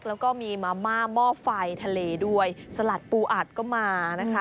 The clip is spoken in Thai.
แล้วก็มีมาม่าหม้อไฟทะเลด้วยสลัดปูอัดก็มานะคะ